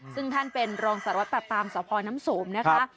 ซึ่งท่านเป็นรองสารวัตตามสพน้ำสมนะคะ